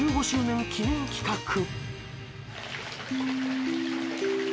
１５周年記念企画］